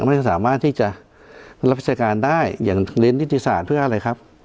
ไม่สามารถที่จะรับราชการได้อย่างเรียนนิติศาสตร์เพื่ออะไรครับ